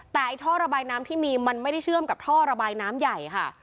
แต่ไอ้ท่อระบายน้ำที่มีมันไม่ได้เชื่อมกับท่อระบายน้ำใหญ่ค่ะ